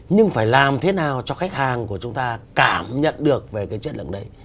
nhưng phải làm thế nào cho khách hàng của chúng ta cảm nhận được về cái chất lượng đấy